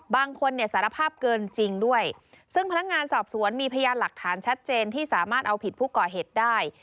บางคนเนี่ยสารภาพเกินจริงด้วยซึ่งพนักงานสอบสวนมีพยานหลักฐานชัดเจนที่สามารถเอาผิดผู้ก่อเหตุได้